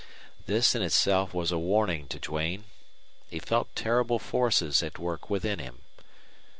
This in itself was a warning to Duane. He felt terrible forces at work within him.